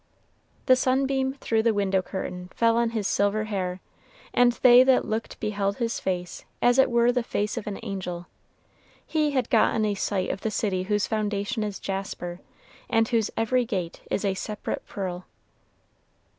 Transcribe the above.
The sunbeam through the window curtain fell on his silver hair, and they that looked beheld his face as it were the face of an angel; he had gotten a sight of the city whose foundation is jasper, and whose every gate is a separate pearl.